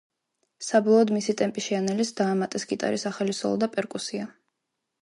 საბოლოოდ, მისი ტემპი შეანელეს, დაამატეს გიტარის ახალი სოლო და პერკუსია.